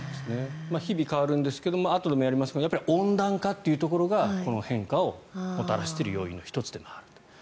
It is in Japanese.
日々変わるんですがあとでもやりますが温暖化というところがこの変化をもたらしている要因の１つでもあると。